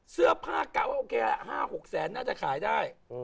เสื้อผ้ากะว่าโอเคละ๕๖แสนน่าจะขายได้